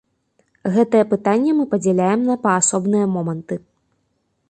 Гэтае пытанне мы падзяляем на паасобныя моманты.